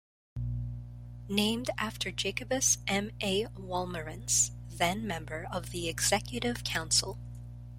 Named after Jacobus M. A. Wolmarans, then member of the Executive Council.